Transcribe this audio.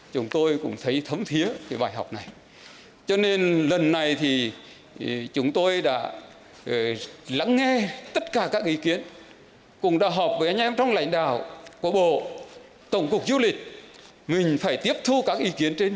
chúng tôi đã thống thiến bài học này